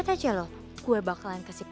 ada yang daksi